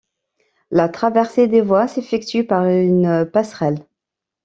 La traversée des voies s'effectue par une passerelle.